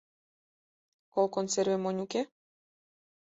— Кол консерве монь уке?